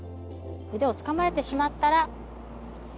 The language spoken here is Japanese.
腕をつかまれてしまったら。